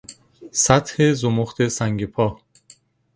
سطح زمخت سنگ پا